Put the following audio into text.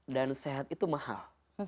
dan sehat itu mahal